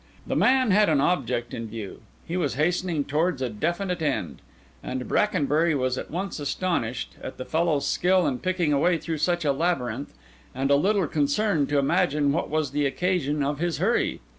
The man had an object in view, he was hastening towards a definite end; and Brackenbury was at once astonished at the fellow's skill in picking a way through such a labyrinth, and a little concerned to imagine what was the occasion of his hurry.